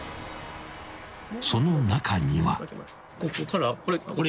［その中には］